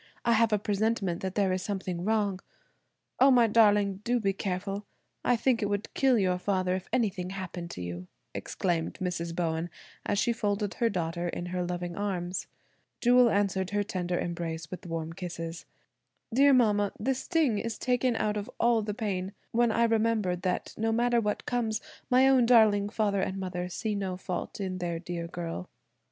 I have a presentiment that there is something wrong. O, my darling, do be careful. I think it would kill your father if anything happened to you," exclaimed Mrs. Bowen as she folded her daughter in her loving arms. Jewel answered her tender embrace with warm kisses. "Dear mama, the sting is taken out of all the pain when I remember that no matter what comes my own darling father and mother see no fault in their dear girl."